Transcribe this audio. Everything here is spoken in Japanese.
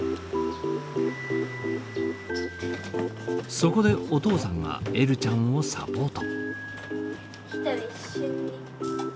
そこでお父さんがえるちゃんをサポート。